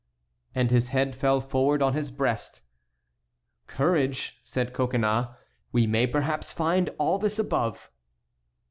And his head fell forward on his breast. "Courage," said Coconnas; "we may perhaps find all this above."